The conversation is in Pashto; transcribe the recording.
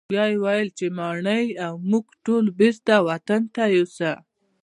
بیا یې وویل چې ماڼۍ او موږ ټول بیرته وطن ته یوسه.